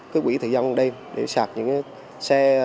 cái quỹ thời gian đêm để sạc những cái xe